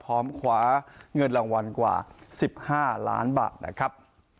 พร้อมคว้าเงินรางวัลกว่า๑๕ล้านบาทนะครับ